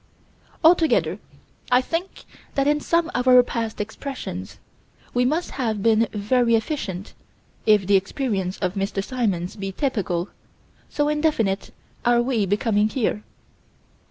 Altogether, I think that in some of our past expressions, we must have been very efficient, if the experience of Mr. Symons be typical, so indefinite are we becoming here.